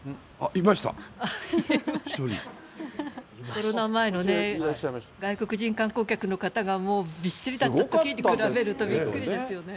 コロナ前の外国人観光客の方がもう、びっしりだったときに比べるとびっくりですよね。